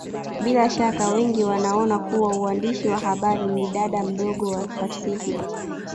Bila shaka wengi wanaona kuwa uandishi wa habari ni dada mdogo wa fasihi